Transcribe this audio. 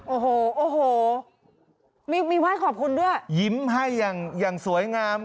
โอ้โหโอ้โหมีมีไหว้ขอบคุณด้วยยิ้มให้อย่างอย่างสวยงาม